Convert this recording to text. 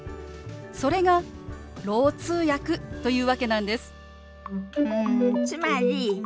それがろう通訳というわけなんです。